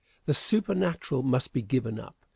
The supernatural must be given up.